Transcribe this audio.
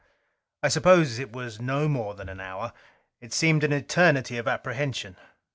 I suppose it was no more than an hour: It seemed an eternity of apprehension.